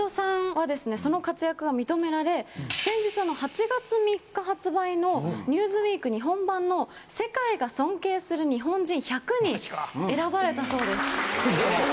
その活躍が認められ先日８月３日発売の『ニューズウィーク日本版』の「世界が尊敬する日本人１００」に選ばれたそうです。